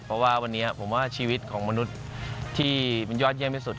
เพราะว่าวันนี้ผมว่าชีวิตของมนุษย์ที่มันยอดเยี่ยมที่สุด